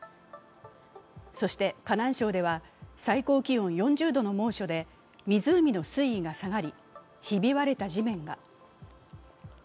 そして河南省では最高気温４０度の猛暑で湖の水位が下がり、ひび割れた地面が。